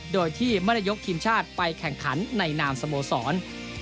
โดยที่ไม่ได้ยกทีมชาติไปแข่งขันในนามสโมสร